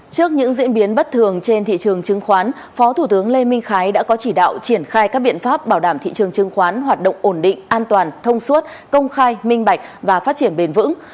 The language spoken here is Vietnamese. trước những diễn biến bất thường trên thị trường chứng khoán phó thủ tướng lê minh khái đã có chỉ đạo triển khai các biện pháp bảo đảm thị trường chứng khoán hoạt động ổn định an toàn thông suốt công khai minh bạch và phát triển bền vững